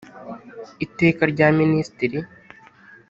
iteka rya minisitiri